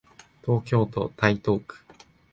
東京都台東区